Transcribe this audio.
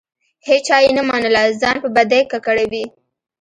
هیچا یې نه منله؛ ځان په بدۍ ککړوي.